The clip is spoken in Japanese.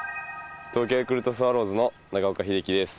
東京ヤクルトスワローズの長岡秀樹です。